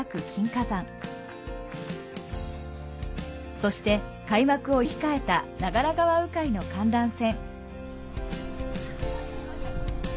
そして開幕を控えた長良川鵜飼の観覧船。